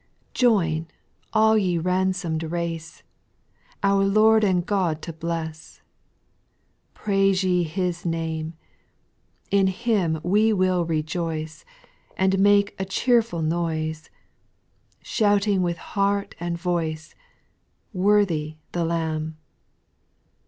Join, all ye ransom'd race, Our Lord and God to bless ; Praise yc His name : In Him we will rejoice, And make a cheerful noise, Shouting with heart and voice, " Worthy the Lamb